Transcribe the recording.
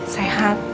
sehat ya kan